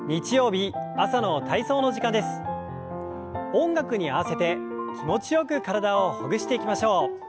音楽に合わせて気持ちよく体をほぐしていきましょう。